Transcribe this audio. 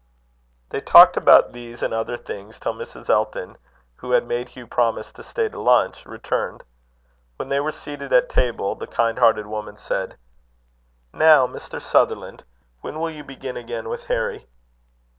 They talked about these and other things, till Mrs. Elton, who had made Hugh promise to stay to lunch, returned. When they were seated at table, the kind hearted woman said: "Now, Mr. Sutherland, when will you begin again with Harry?"